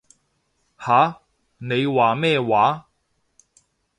吓？你話咩話？